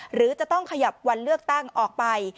หรือจะต้องขยับวันเลือกตั้งออกไป